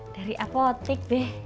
dari apotik deh